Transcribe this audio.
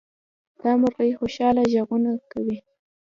دا مرغۍ خوشحاله غږونه کوي.